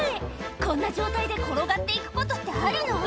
こんな状態で転がって行くことってあるの？